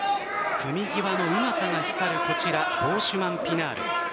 組み際のうまさが光るボーシュマンピナール。